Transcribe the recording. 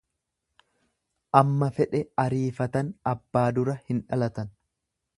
Amma fedhe ariifatan abbaa dura hin dhalatan.